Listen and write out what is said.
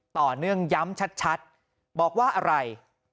ต่อเนื่องย้ำชัดบอกว่าอะไร